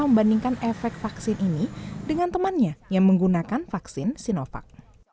membandingkan efek vaksin ini dengan temannya yang menggunakan vaksin sinovac